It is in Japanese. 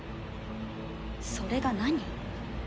それが何？